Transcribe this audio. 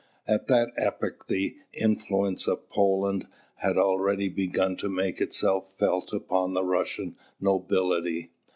At that epoch the influence of Poland had already begun to make itself felt upon the Russian nobility.